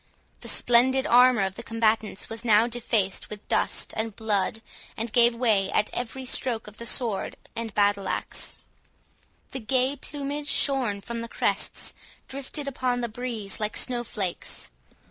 The splendid armour of the combatants was now defaced with dust and blood, and gave way at every stroke of the sword and battle axe. The gay plumage, shorn from the crests, drifted upon the breeze like snow flakes.